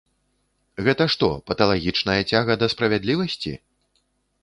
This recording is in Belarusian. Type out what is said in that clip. Гэта што, паталагічная цяга да справядлівасці?